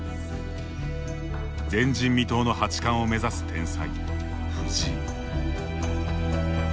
前人未到の八冠を目指す天才・藤井。